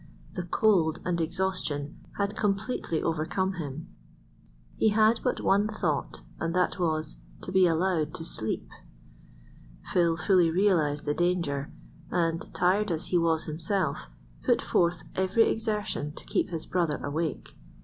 The cold and exhaustion had completely overcome him. He had but one thought, and that was—to be allowed to sleep. Phil fully realized the danger, and, tired as he was himself, put forth every exertion to keep his brother awake.